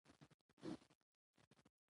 دا ژورنال د کتابونو بیاکتنې هم خپروي.